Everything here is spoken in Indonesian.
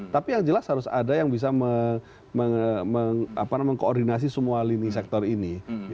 tapi yang jelas harus ada yang bisa mengkoordinasi semua lini sektor ini